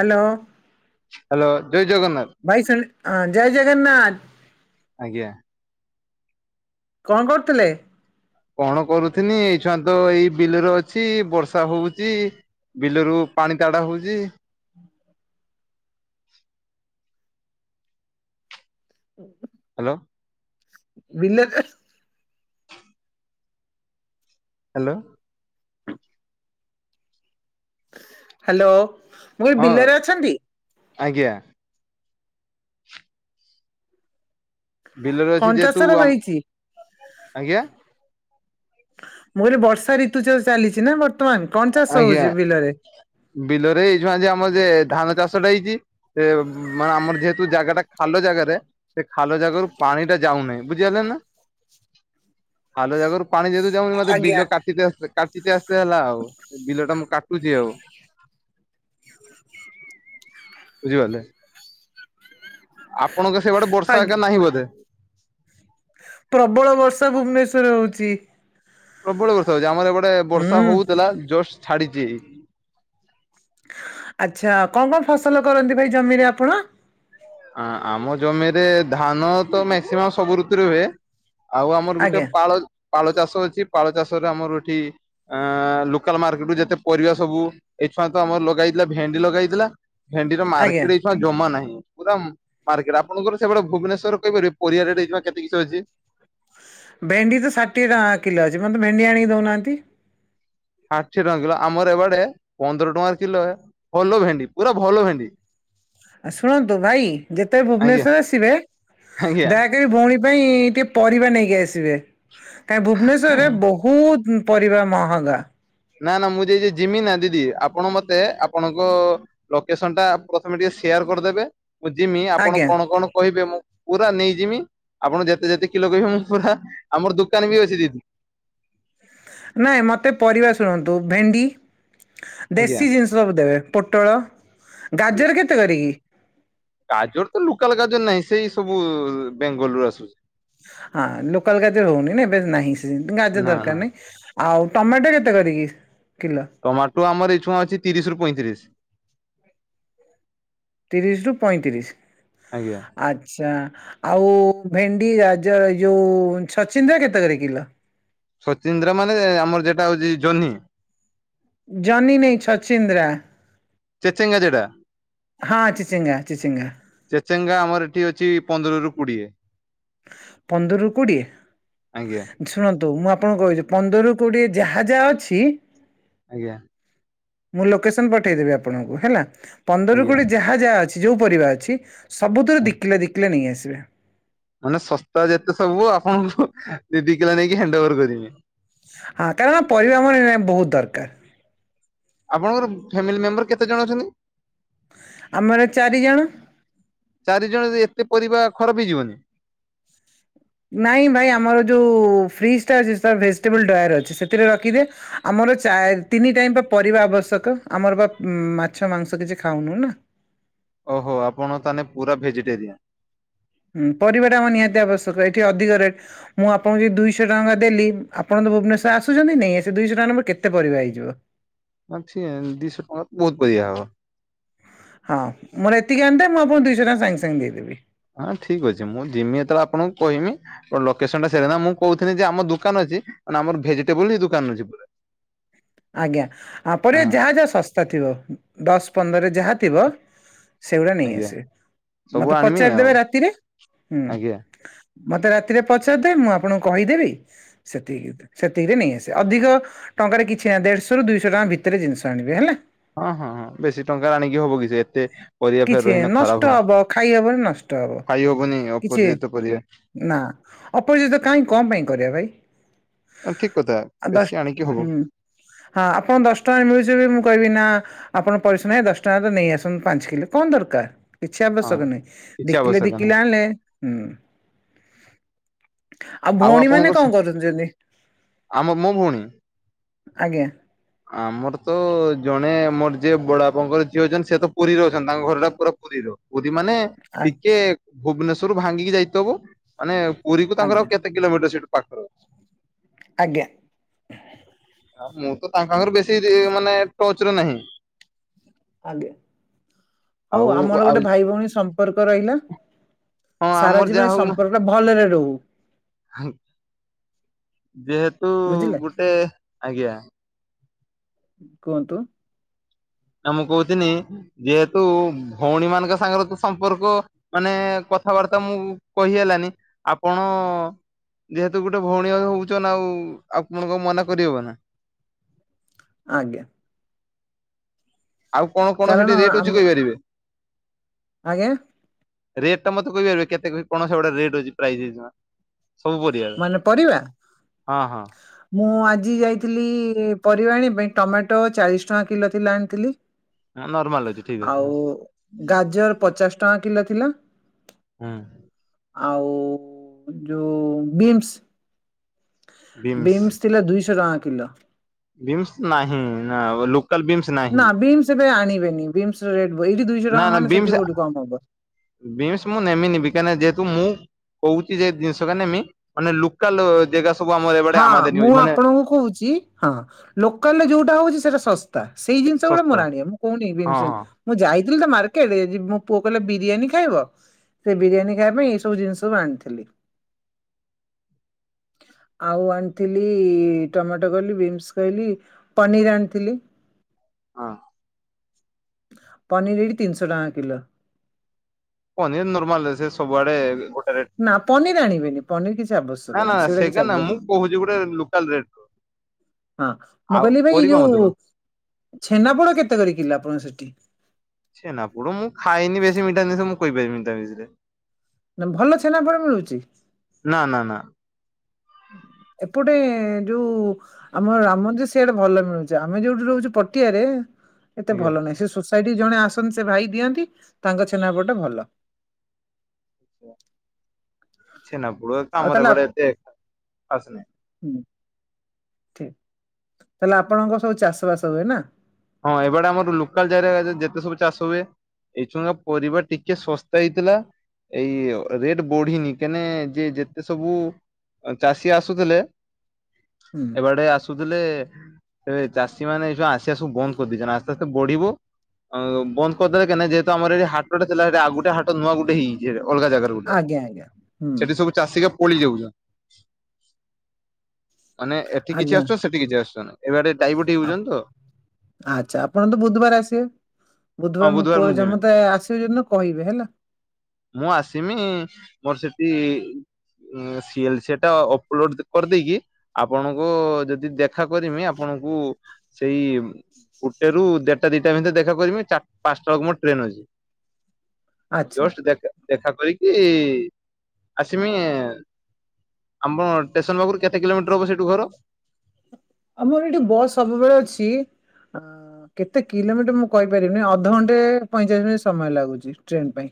Hello. Hello ଜୟ ଜଗନ୍ନାଥ। ଭାଇ ଶ ଜୟ ଜଗନ୍ନାଥ। ଆଜ୍ଞା। କଣ କରୁଥିଲେ? କଣ କରୁଥିନି ଏଇ ଛୁଆ ତ ଏଇ ବିଲରେ ଅଛି ବର୍ଷା ହଉଛି ବିଲରୁ ପାଣି ତାଡା ହଉଛି। ହୁ ହ୍ୟାଲୋ। ବିଲରେ। ହ୍ୟାଲୋ। ହ୍ୟାଲୋ ମୁଁ କହିଲି ହଁ ବିଲରେ ଅଛନ୍ତି? ଆଜ୍ଞା। ବିଲରେ କଣ ଅଛି ଚାଷ ଯେହେତୁ ରହିଛି? ଆମ ଆଜ୍ଞା। ମୁଁ କହିଲି ବର୍ଷା ଋତୁ ଚା ଚାଲିଛି ନା ବର୍ତ୍ତମାନ କଣ ଚାଷ ଆଜ୍ଞା ହଉଛି ବିଲରେ? ବିଲରେ ଏଇଝୁଆ ଯେ ଆମର ଯେ ଧାନ ଚାଷଟା ହେଇଛି। ସେ ମାନେ ଆମର ଯେହେତୁ ଜାଗା ଟା ଖାଲ ଜାଗାରେ ସେ ଖାଲ ଜାଗାରୁ ପାଣି ଟା ଯାଉନାହିଁ ବୁଝିଗଲେ ନା ଖାଲ ଜାଗାରୁ ପାଣି ଯେହେତୁ ଯାଉନି ମତେ ଆଜ୍ଞା ବିଲ କାଟି ଆ କାେ ଆସେ ହେଲା ଆଉ ବିଲ ଟା ମୁଁ କାଟୁଛି ଆଉ। [inaudible] ବୁଝିପାରିଲେ। ଆପଣଙ୍କ ସେଇଆଡେ ବର୍ଷା ଆଜ୍ଞା ଏକା ନାହିଁ ବୋଧେ? ପ୍ରବଳ ବର୍ଷା ଭୁବନେଶ୍ୱର ରେ ହେଉଛି। ପ୍ରବଳ ବର୍ଷା ହଉଛି ଆମର ଗୋଟେ ବର୍ଷା ହୁଁ। ହଉଥିଲା ଜଷ୍ଟ ଛାଡିଛି। ଆଚ୍ଛା କଣ କଣ ଫସଲ କରନ୍ତି ଭାଇ ଜମିରେ ଆପଣ? ଆମ ଜମିରେ ଧାନ ତ ମାକ୍ସିମମ୍ ସବୁ ଋତୁରେ ହୁଏ। ଆଉ ଆମର ଗୋଟେ ଆଜ୍ଞା ପାଳ ପାଳ ଚାଷ ଅଛି ପାଳ ଚାଷରେ ଆମର ଏଠି। ଅ ଲୋକାଲ ମାର୍କେଟ ରୁ ଯେତେ ପରିବା ସବୁ ଏଠଆଁ ତ ଆମର ଲଗେଇଥିଲା ଭେଣ୍ଡି ଲଗେଇଥିଲା। ଭେଣ୍ଡିର ଆଜ୍ଞା ମାର୍କେଟ ଏଇଛଆ ଜମା ନାହିଁ। ପୁରା ମାର୍କେଟ ଆପଣଙ୍କର ସେଇଭଡ ଭୁବନେଶଵର କହିପାରିବେ ପରଆ ରେଟ ହେଇ କେତେ କିଛି ଅଛି? ଭେଣ୍ଡି ତ ଷାଠିଏ ଟଙ୍କା କିଲ ଅଛି। ମତେ ଭେଣ୍ଡି ଆଣିକି ଦଉନାହାନ୍ତି। ଷାଠିଏ ଟଙ୍କା କିଲୋ ଆମର ଏବେଡେ ପନ୍ଦର ଟଙ୍କାର କିଲୋ ଭଲ ଭେଣ୍ଡି ପୁରା ଭଲ ଭେଣ୍ଡି। ଆ ଶୁଣନ୍ତୁ ଭାଇ ଯେତେବେ ଆଜ୍ଞା ଭୁବନେଶ୍ଵର ଆସିବେ ଆଜ୍ଞା। ଦେ ଭଉଣୀ ପାଇଁ ଟିକେ ପରିବା ନେଇକି ଆସିବେ କା ଭୁବନେଶ୍ଵରରେ ବହୁ ବହୁତ ପରିବା ମହଙ୍ଗା। ନା ନା ମୁଁ ଯ ଜିମି ନା ଦିଦି ଆପଣ ମତେ ଆପଣଙ୍କ ଲୋକେସନ ଟା ପ୍ରଥମେ ଟିକେ ସେୟାର କରିଦେବେ। ମୁଁ ଯିମି ଆପଣ ଆଜ୍ଞା କଣ କଣ କହିବେ ମୁଁ ପୁରା ନେଇଯିମି ଆପଣ ଯେତେ ଯେତେ କିଲୋ କହିବେ ମୁଁ ପୁରା ଆମର ଦୋକାନ ବି ଅଛି ଦିଦି। ନାଇଁ ମୋତେ ପରିବା ଶୁଣନ୍ତୁ ଭେଣ୍ଡି ଆଜ୍ଞା ଦେଶୀ ଜିନିଷ ସବୁ ଦେବେ ପୋଟଳ ଗାଜର କେତେ କରିକି। ଗାଜର୍ ତ ଲୋକାଲ୍‌ ଗାଜର୍‌ ନାହିଁ ସେଇ ସବୁ ବେଙ୍ଗଲ୍‌ ରୁ ଆସୁଛି। ହଁ ଲୋକାଲ୍ ଗାଜର୍ ହଉନି ନା ଏବେ ନାହିଁ ଗାଜର୍ ନା ନା ଦରକାର୍ ନାହିଁ। ଆଉ ଟମାଟୋ କେତେ କରିକି କିଲୋ? ଟମାଟୋ ଆମର ଏ ଛୁଅଁ ଅଛି ତିରିଶରୁ ପଇଁତିରିଶ। ତିରିଶି ରୁ ପଇଁତିରିଶ୍। ଆଜ୍ଞା ଆଚ୍ଛା ଆଉ ଭେଣ୍ଡି ଯୋଉ ଛଚିନ୍ଦ୍ରାକେତେକରେ କିଲୋ ଛଚୀନ୍ଦ୍ରା ମାନେ ଆମର ଯେଟା ହେଉଛି ଜହ୍ନି। ଜହ୍ନି ନାହି ଛଚିନ୍ଦ୍ରା। ଚିଚିଙ୍ଗା ଯେଟା ହଁ ଚିଚିଙ୍ଗା- ଚିଚିଙ୍ଗା ଚିଚିଙ୍ଗା ଆମର ଏଠି ଅଛି ପନ୍ଦରରୁୁ କୋଡ଼ିଏ। ପନ୍ଦରରୁ ଆଜ୍ଞା କୋଡ଼ିଏ। ଶୁଣନ୍ତୁ ମୁଁ ଆପଣଙ୍କୁ କହୁଛି ପନ୍ଦରରୁ କୋଡ଼ିଏ ଯାହା ଯାହା ଅଛି। ଆଜ୍ଞା। ମୁଁ ଲକେସନ୍‌ ପଠେଇ ଦେବି ଆପଣଙ୍କୁ ହେଲା ପନ୍ଦରରୁ କୋଡ଼ିଏ ଆଜ୍ଞା ଯାହା ଯାହା ଯାହା ଅଛି ଯଉ ପରିବା ଅଛି ସବୁଥିରେ ଦିକିଲେ ଦି କିଲେ ନେଇ ଆସିବ। ମାନେ ଶସ୍ତା ଯେତେ ସବୁ ଆପଣଙ୍କୁ ଦି ଦି କିଲୋ ନେଇକି ହ୍ୟାଣ୍ଡ ଅଭର୍ କରିବି। ହଁ ତେଣୁ ପରିବା ବହିବା ବହୁତ ଦରକାର୍ ଆପଣଙ୍କର ଫ୍ୟାମିଲି ମେମ୍ବର୍ କେତେ ଜଣ ଅଛନ୍ତି? ଆମାନେ ଚାରିଜଣ। ଚାରି ଜଣ ଯେ ଏତେ ପରିବା ଖରାପ୍ ହେଇଯିବନି। ନାଇଁ ଭାଇ ଆମର ଯଉ ଫ୍ରିଜ୍‌ ଟା ଅଛି ଭେସ୍‌ଟି ବେଲ୍‌ ଡ଼ୟାର ଅଛି ସେଥିରେ ରଖିଦେ। ଆମର ଚା ତିନି ଟାଇମ୍ ବା ପରିବା ଆବଶ୍ୟକ ଆମର ବା ମାଛ ମାଂସ କିଛି ଖାଉନୁ ନା। ଅହୋ ଆପଣ ତାହେଲେ ପୁରା ଭେଜିଟେରିଆନ୍। ହୁଁ ପରିବାଟା ଆମର ନିହାତି ଆବଶ୍ୟକ ଏଠି ଅଧିକ ରେଟ୍ ମୁଁ ଆପଣ ଯଦି ଦୁଇଶହ ଟଙ୍କା ଦେଲି ଆପଣ ତ ଭୁବନେଶ୍ୱର ଆସୁଛନ୍ତି ନେଇ ଆସୁଛନ୍ତି ଦୁଇଶହ ଟଙ୍କା ମୋର କେତେ ପରିବା ହେଇଯିବ। ଭଛି ଦିଶହ ଟଙ୍କା ତ ବହୁତ ପରିବା ହବ। ହଁ ମୋର ଏତିି ଆନ୍ ଦେ ମୁଁ ଆପଣ ଦୁଇଶହ ଟଙ୍କା ସାଙ୍ଗେ ସାଙ୍ଗେ ଦେଇଦେବି। ହଁ ଠିକ୍ ଅଛି ମୁଁ ଯିମି ଯେତେବେଳେ ଆପଣଙ୍କୁ କହିମି। ଲୋକେସନ୍‌ ଟା ସେଇ ନା ମୁଁ କହୁଥିଲି ଯେ ଆମ ଦୋକାନ ଅଛି ଆମର ଭେଜିଟେବୁଲ୍‌ ହିଁ ଦୋକାନ ଅଛି ପୁରା। ଆଜ୍ଞା ଆପରେ ହଁ ଯାହା ଯାହା ଶସ୍ତା ଥିବ ଦଶ ପନ୍ଦର୍‌ରେ ଯାହା ଥିବ ସେଗୁଡ଼ା ନେଇ ଆଜ୍ଞା ଆସିବେ ସବୁ ମତେ ଆଣିମି ପଚାରି ଆଉ ଦେବେ ରାତିରେ ହୁଁ। ଆଜ୍ଞା। ମତେ ରାତିରେ ପଚାରିଦେବେ ମୁଁ ଆପଣଙ୍କୁ କହିଦେବି ସେତିକି ସେତିକିରେ ନେଇ ଆସେ ଅଧିକ ଟଙ୍କାରେ କିଛି କିଛି ଦେଢ଼ଶହରୁ ଦୁଇଶହ ଟଙ୍କା ଭିତରେ ଜିନିଷ ଆଣିବେ ହେଲା? ହଁ, ହଁ ହଁ ବେଶୀ ଟଙ୍କା ଆଣିକି ହବ କି ଯେ ଏତେ ପରିବା ଫେରେ କିଛି ରହିଲେ ଖରାପ ନଷ୍ଟ ହବ ଖାଇହବନି ନଷ୍ଟ ହବ ଖାଇ ହବନି କିଛି ଅପରିଜିତ ପରିବା ନା ଅପରିଜିତ କାହିଁ କଣ ପାଇଁ କରିବା ଭାଇ? ଠିକ୍ କଥା ଆ ଦଶ ବେଶୀ ଆଣିକି ହବ ହୁଁ ହଁ, ଆପଣ ଙ୍କୁ ଦଶ ଟଙ୍କାରେ ମିଳୁଛି ମୁଁ କହିବି ନା ଆପଣ ପଇସା ନାହିଁ ଦଶ ଟଙ୍କା ରେ ନେଇ ଆସନ୍ତୁ ପାଞ୍ଚ କିଲୋ କଣ ଦରକାର୍ କିଛି ହଁ ଆବଶ୍ୟକ ନାହିଁ କିଛି ଦି କିଲେ ଆବଶ୍ୟକ ଦି ନାହିଁ କିଲେ ଆଣିଲେ ହୁଁ। ଆଉ ଭଉଣୀମାନେ ଆପଣଙ୍କର ସେ କଣ କରୁ ଯନ୍ତି? ଆମ ମୋ ଭଉଣୀ ଆଜ୍ଞା। ଆମର ତ ଜଣେ ମୋର ଯିଏ ବଡ଼ ବାପାଙ୍କର ଝିଅ ଅଛନ୍ତି ସିଏ ତ ପୁରୀରେ ଅଛନ୍ତି ତାଙ୍କ ଘର ଟା ପୁରା ପୁରୀର ପୁରୀ ମାନେ ଆ ଟିକେ ଭୁବନେଶ୍ଵରରୁ ଭାଙ୍ଗିକି ଯାଇଥବୁ ମାନେ ପୁରୀକୁ ତାଙ୍କର ଆଜ୍ଞା ଆଉ କେ ତେ କେତେକିଲୋମିଟର ସେଠୁ ପାଖ ଆଜ୍ଞା। ମୁଁ ତ ତାଙ୍କ ଆଗରେ ବେଶୀ ମାନେ ଟଚ୍‌ରେ ନାହିଁ। ଆଜ୍ଞା ହଉ ଆଉ ଆମର ଆଉ ଗୋଟେ ଭାଇ ଭଉଣୀ ସମ୍ ପର୍କ ରହିଲା ହଁ ସାରା ଆମର ଜୀବନ ଯାହା ସମ୍ପର୍କ ଟା ଭଲରେ ରହୁ। ଯେହେତୁ ବୁଝିଲେ ଗୋଟେ ଆଜ୍ଞା କୁହନ୍ତୁ। ନା ମୁଁ କହୁଥିନି ଯେହେତୁ ଭଉଣୀ ମାନଙ୍କ ସାଙ୍ଗରେ ତ ସମ୍ପର୍କ ମାନେ କଥାବାର୍ତ୍ତା ମୁଁ କହି ହେଲାନି ଆପଣ ଯେହେତୁ ଗୋଟେ ଭଉଣୀ ହଉଛନ ଆଉ ଆପଣଙ୍କ ମନା କରିହବ ନା? ଆଜ୍ଞା। ଆଉ କଣ କଣ କାରଣ ସେଠି ରେଟ୍ ଆମ ଅଛି କହିପାରିବେ? ଆଜ୍ଞା? ରେଟ ଟା ମତେ କହିପାରିବେ କେତେ କଣ ରେଟ୍ ଅଛି ପ୍ରାଇଜ୍ ମାନେ ପରିବା? ହଁ ହଁ। ମୁଁ ଆଜି ଯାଇଥିଲି ପରିବା ଆଣି ପାଇଁ ଟମାଟୋ ଚାଳିଶ ଟଙ୍କା କିଲୋ ଥିଲା ଆଣିଥିଲି। ହଁ ନର୍ମାଲ ଅଛି ଠିକ୍ ଅଛି ଆଉ ଗାଜର ପଚାଶ ଟଙ୍କା କିଲୋ ଥିଲା। ହୁଁ। ଆଉ ଯୋଉ ବିନ୍ସ ବିମ୍ସ। ବିନ୍ସ ଥିଲା ଦୁଇଶହ ଟଙ୍କା କିଲୋ। ବିିମ୍ସ ନାହିଁ ଲୋକାଲ ବିିମ୍ସ ନା ବିମ୍ସ ଏବେ ଆଣିବେନି ବିସ ର ଟ ଏଇଠି ଦୁଇଶହ ଟଙ୍କା ହବ ସେଠି କୋଠି କମ ହବ ବିନ୍ସ ମୁଁ ନେମିନି କାହିଁକି ଯେହେତୁ ମୁଁ କହୁଛି ଯେ ଜିନିଷ କେମ ମାନେ ଲୋକାଲ ଜା ହଁ ମୁଁ ଆପଣଙ୍କୁ କହୁଛି ହଁ। ଲୋକାଲ ରେ ଯୋଉଟା ହଉଛି ସେଟା ଶସ୍ତା ସେଇ ଜିନିଷ ଗୁଡା ଶସ୍ତା। ମୋର ଆଣିବା ମୁଁ କହୁନି। ହଁ ହଁ। ମୁଁ ଯାଇଥିଲି ତ ମାର୍କେଟ ମୋ ପୁଅ କହିଲେ ବିରିୟାନୀ ଖାଇବ। ସେ ବିରିୟାନୀ ଖାଇବା ପାଇଁ ଏଇ ସବୁ ଜିନିଷ ମୁଁ ଆଣିଥିଲି। ଆଉ ଆଣିଥିଲି ଟମାଟୋ କଲି ବିନ୍ସ ଖାଇଲି ପନିର ଆଣିଥିଲି। ହଁ। ପନିର ଏଇଠି ତିନିଶହ ଟଙ୍କା କିଲୋ। ପନିର ନର୍ମାଲରେ ସେ ସବୁଆଡେ ଗୋଟେ ରେଟ୍। ନା ପନିର ଆଣିବେନି ପନିର କିଛି ଆବଶ୍ୟକ ନାହିଁ ସେଗୁଡା କିଛି ଆବଶ୍ୟକ [unintelligible] ହଉଚି ଗୋଟେ ଲୋକାଲ ରେଟ ର। ହଁ ମୁଁ କହିଲି ଭାଇ ଏଇ ପରିବା ଯୋଉ ମତେ କହ। ଛେନାପୋଡ କେତେ କରି କିଲ ଆପଣଙ୍କ ସେଠି? ଛେନାପୋଡ଼ ମୁଁ ଖାଏନି ବେଶୀ ମିଠା ଜିନିଷ ମୁଁ କହିପାରିମିନି ତା ବିଷୟରେ। ନା ଭଲ ଛେନାପୋଡ଼ ମିଳୁଛି? ନା ନା ନା। ଏପଟେ ଯୋଉ ଆମର ରାମ ମନ୍ଦିର ସିଆଡେ ଭଲ ମିଳୁଛି ଆମେ ଯୋଉଠି ରହୁଛୁ ପଟିଆରେ ଏତେ ଆଜ୍ଞା। ଭଲ ନାହିଁ ସେ ସୋସାଇଟି କି ଜଣେ ଆସନ୍ତି ସେ ଭାଇ ଦିଅନ୍ତି ତାଙ୍କ ଛେନାପୋଡ଼ ଟା ଭଲ। ଆଛା ଛେନା ପୋଡ ତ ଆଉ ଆମର ତାହେଲେ ଏପଟେ ଆପ- ଏତେ ଖାସ୍ ନାହିଁ। ହୁଁ, ଠିକ ତାହେଲେ ଆପଣଙ୍କର ସବୁ ଚାଷ ବାସ ହୁଏ ନା? ହଁ ଏପଟେ ଆମର ଲୁକାଲ ଜାଗାରେ ଯେତେ ସବୁ ଚାଷ ହୁଏ ଏଇ ଚୁଙ୍କା ପରିବା ଟିକେ ଶସ୍ତା ହେଇଥିଲା ଏଇ ଅ ରେଟ ବଢିନି କେନେ ଯେ ଯେତେ ସବୁ ଅ ଚାଷୀ ଆସୁଥିଲେ ହୁଁ ଏ ବାଡେ ଆସୁଥିଲେ ଏବେ ଚାଷୀମାନେ ଏଇ ସବୁ ଆସିବା ସ ବୁ ବନ୍ଦ କରିଦେଇଛନ୍ତି ଆସ୍ତେ ଆସ୍ତେ ବଢିବ ଅ ବନ୍ଦ କରିଦେଲେ କେନେ ଯେହେତୁ ଆମର ଏଠି ହାଟ ଟା ଥିଲା ସେଠି ଆଉ ଗୁଟେ ହାଟ ନୁଆ ଗୁଟେ ହେଇ ଇଏରେ ଅଲଗା ଜାଗରେ ଗୋଟେ ଆଜ୍ଞା ଆଜ୍ଞା ହୁଁ ସେଠି ସବୁ ଚାଷୀ କେ ପଳେଇ ଯାଉଛନ୍। ମାନେ ଏଠି କିଛି ଆଜ୍ଞା ଆସୁଛନ୍ତି ସେଠି କିଛି ଆସୁଛନ୍ତି ଏବାଟେ ଡାଇବଟ ହେଇ ଆ ଯାଉଛନ୍ତି ତ ଆଚ୍ଛା ଆପଣ ତ ବୁଧବାର ଆସିବେ ହଁ ବୁଧବାର ମୋ ପୁଅର ମୁଁ ଯିମି। ଜମା ତ ଆସିବେ ଯୋଉ ଦିନ କହିବେ ହେଲା। ମୁଁ ଆସିମି ମୋର ସେଟି ଉଁ ସିଏଲ ସେଏଟା ଅପଲୋଡ କରିଦେଇକି ଆପଣଙ୍କୁ ଯଦି ଦେଖ ଖା କରିମି ଆପଣଙ୍କୁ ସେଇ ଗୁଟେରୁ ଦେଢଟା ଦିଇଟା ଭିତରେ ଦେଖା କରିମି ଚା ପାଞ୍ଚଟା ବେଳକୁ ମୋର ଟ୍ରେନ ଅଛି। ଆଚ୍ଛା ଜଷ୍ଟ ଦେଖା ଦେଖା କରିକି ଆସମିଏ। ଆମ ଟେସନ ପାଖରୁ କେତେ କିଲୋମିଟର ହବ ସେଇଠୁ ଘର? ଆମର ଏଠି ବସ୍ ସବୁବେଳେ ଅଛି ଅଡିଓ ଶୁଭୁନି, କେତେ କିଲୋମିଟର ମୁଁ କହିପାରିମିନି ଅଧଘଣ୍ଟେ ପଇଁଚାଳିଶ ମିନିଟ ସମୟ ଲାଗୁଛି ଟ୍ରେନ ପାଇଁ।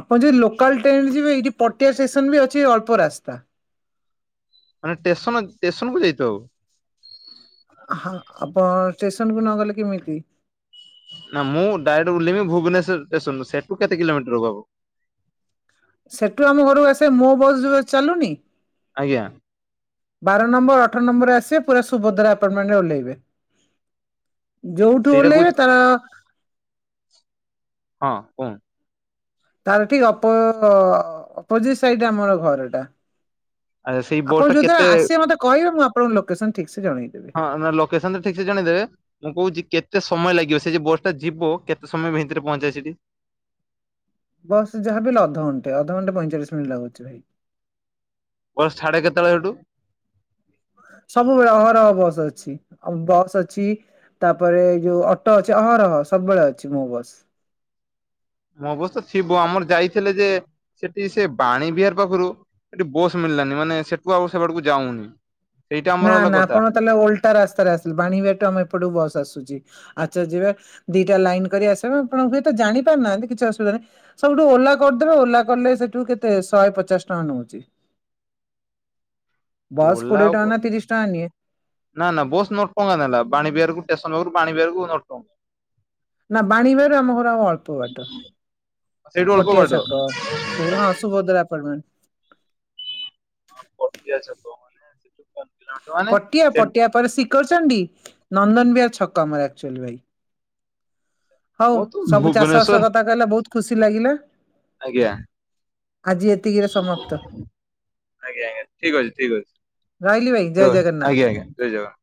ଆପଣ ଯଦି ଲୋକାଲ୍ ଟ୍ରେନରେ ଯିବେ ଏଇଠି ପଟିଆ ଷ୍ଟେସନ ବି ଅଛି ଅଳ୍ପ ରାସ୍ତା। ମାନେ ଟେସନ ଟେସନକୁ ଯାଇଛ ଆଉ! ହଁ, ଆପଣ ଟେସନକୁ ନଗଲେ କେମିତି ନା ମୁଁ ଡାଇରେକ୍ଟ ଉଲେହେଇମି ଭୁବନେଶ୍ୱର ଟେସନରୁ ସେଠୁ କେତେ କିଲୋମିଟର ହବ? ସେଠୁ ଆମ ଘରକୁ ଆସେ ମୋ ବସ ଯୋଉ ଚାଲୁନି ଆଜ୍ଞା ବାର ନମ୍ବର, ଅଠର ନମ୍ବରରେ ଆସିବେ ପୁରା ସୁଭଦ୍ରା ଆପଟମେଣ୍ଟରେ ଓଲ୍ହେଇବେ। ଅଡିଓ ର କୌଣସି ଶବ୍ଦ ନାହିଁ। ଯୋଉଠୁ ଓଲ୍ହେଇବେ ତାର ହଁ, କୁହନ୍ ତାର ଠିକ ଅପୋ ଅପୋଜିଟ ସାଇଡରେ ଆମର ଘର ଟା। ଆ ସେଇ ବସ୍ ଆପଣ ଟା ଯୋଉ ଦିନ କେତେ ଆସିବେ ମତେ କହିବେ ମୁଁ ଆପଣଙ୍କୁ ଲୋକେସନ ଠିକ ସେ ଜଣେଇଦେବି। ହଁ ନା ଲୋକେସନ ଟା ଠିକସେ ଜଣେଇଦେବେ ମୁଁ କହୁଛି କେତେ ସମୟ ଲାଗିବ ସେ ଯେ ବସ୍ ଟା ଯିବ କେତେ ସମୟ ଭିତରେ ପହଞ୍ଚାଇବ ସେଠି? ବସ୍ ରେ ଯାହା ବି ହେଲେ ଅଧଘଣ୍ଟେ ଅଧଘଣ୍ଟେ ପଇଁଚାଳିଶ ମିନିଟ୍ ଲାଗୁଛି ଭାଇ। ବସ୍ ‌ଛାଡ଼େ କେତେବେଳେ ହେଟୁ? ସବୁବେଳେ ଅହରହ ବସ୍ ଅଛି ଆଉ ବସ୍ ଅଛି ତାପରେ ଏଇ ଯୋଉ ଅଟ ଅଛି ଅହରହ ସବୁବେଳେ ଅଛି ମୋ ବସ୍। ମୋବସ୍ ତ ଥିବ ଆମର ଯାଇଥିଲେ ଯେ ସେଠି ସେ ବାଣୀ ବିହାର ପାଖରୁ। ସେଠି ବସ୍ ମିଳିଲାନି ମାନେ ସେଠୁ ଆଉ ସେ ପଟକୁ ଯାଉନି। ସେଇଟା ଆମର ନାଁ, ହେଲା ନାଁ କଥା ଆପଣ ତାହେଲେ ଓଲଟା ରାସ୍ତାରେ ଆସିଲେ ବାଣୀବିହାର ଟୁ ଆମ ଏପଟକୁ ବସ୍ ଆସୁଛି। ଆଚାର୍ଯ୍ୟବିହାର ଦିଟା ଲାଇନ କରି ଆସିବ ଆପଣ ହୁଏତ ଜାଣିପାରୁ ନାହାଁନ୍ତି କିଛି ଅସୁବିଧା ନାହିଁ। ସବୁଠୁ ଓଲା କରିଦେବେ ଓଲା କଲେ ସେଠୁ କେତେ ଶହେ ପଚାଶ ଟଙ୍କା ନଉଛି। ଅଡିଓ ନାହିଁ ବସ୍ କୋଡ଼ିଏ ଟଙ୍କା ନା ତିରିଶ ଟଙ୍କା ନିଏ। ନା ନା ବସ୍ ନ ଟଙ୍କା ନେଲା ବାଣିି ବିହାରକୁ ଟେସନ ପାଖରୁ ବାଣିିବିହାରକୁ ନ ଟଙ୍କା। ନା ବାଣିବିହାର ରୁ ଆମ ଘର ଆଉ ଅଳ୍ପ ବାଟ ସେଇଠୁ ଅଳ୍ପ ପଟିଆ ବାଟ ଛକ। ସୁ ହଁ, ସୁଭଦ୍ରା ଅପାର୍ଟମେଣ୍ଟ। ହଁ ପଟିଆ ଛକ‌। ପଟିଆ, ପଟିଆପରେ ଶିଖରଚଣ୍ଡୀ, ନନ୍ଦନବିହାର, ଛକ ଆମର ଆକ୍ଟୁଆଲି ଭାଇ। ଅଡିଓ ଶୁଭୁନି, ହଉ ସବୁ ଚାଷବାସ କଥା କହିଲ ବୋହୁତ ଖୁସି ଲାଗିଲା। ଆଜ୍ଞା। ଆଜି ଏତିକିରେ ସମାପ୍ତ, ଆଜ୍ଞା ରହିଲି ଭାଇ। ଜୟ ରହୁ ଜଗନ୍ନାଥ। ଆଜ୍ଞା, ଆଜ୍ଞା ଜୟ ଜଗନ୍ନାଥ।